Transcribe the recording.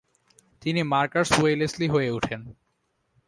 তিনি Marcus Wellesley হয়ে ওঠেন।